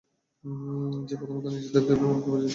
সে প্রথমত নিজে দেবদেবী ও মূর্তিদের পূজা করে।